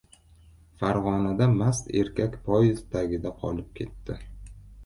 Farg‘onada mast erkak poyezd tagida qolib ketdi